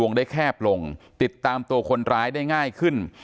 ได้แคบลงติดตามตัวคนร้ายได้ง่ายขึ้น